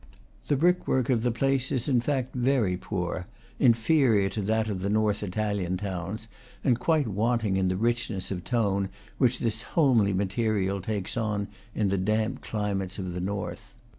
The brick work of the place is in fact very poor, inferior to that of the north Italian towns, and quite wanting in the richness of tone which this homely material takes on in the damp climates of the north."